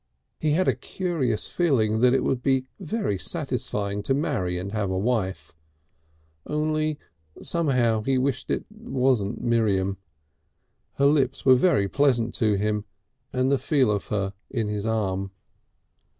He had a curious feeling that it would be very satisfying to marry and have a wife only somehow he wished it wasn't Miriam. Her lips were very pleasant to him, and the feel of her in his arm.